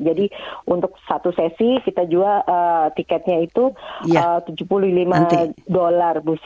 jadi untuk satu sesi kita jual tiketnya itu tujuh puluh lima dolar